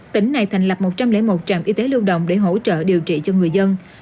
tỉnh này thành lập một trăm linh một trạm y tế lưu động để hỗ trợ điều trị cho người dân